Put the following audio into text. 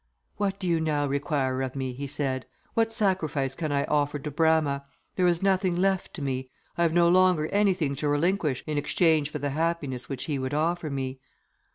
"What do you now require of me?" he said; "What sacrifice can I offer to Brama? There is nothing left to me. I have no longer anything to relinquish in exchange for the happiness which he would offer me."